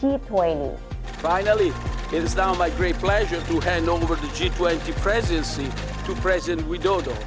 akhirnya sekarang saya sangat senang bisa menghantar presidensi g dua puluh kepada presiden widodo